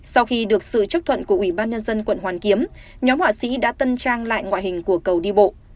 sau khi được sự chấp thuận của ủy ban nhân dân quận hoàn kiếm nhóm họa sĩ đã tân trang lại ngoại hình của cầu đi bộ